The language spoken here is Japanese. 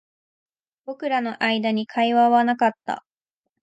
僕らの間に会話はなかった